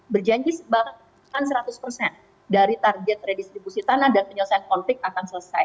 berjanji bahkan seratus persen dari target redistribusi tanah dan penyelesaian konflik akan selesai